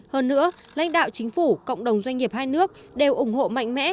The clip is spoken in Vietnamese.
hơn nữa lãnh đạo chính phủ cộng đồng doanh nghiệp hai nước đều ủng hộ mạnh mẽ